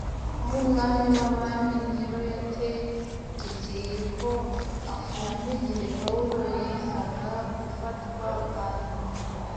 aho umwami w’abami Nero yategekeye ko afungwa igihe Pawulo yendaga gufatwaga bwa nyuma